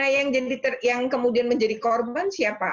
nah yang kemudian menjadi korban siapa